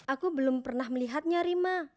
aku belum pernah melihatnya rima